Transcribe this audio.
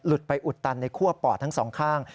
ไปอุดตันในคั่วปอดทั้งสองข้าง